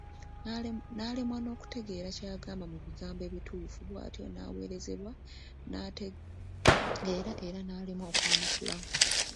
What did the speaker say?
N’alemwa n’okutegeeza ky’agamba mu bigambo ebituufu bw’atyo n’aweerezebwa n’atategeera era n’alemwa okwanukula.